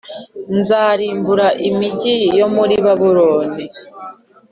Nzarimbura imigi yo mu ri babuloni